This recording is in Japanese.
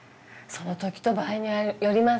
その時と場合によります。